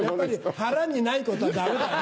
腹にないことはダメだね。